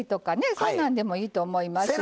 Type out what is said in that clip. そんなんでもいいと思いますよ。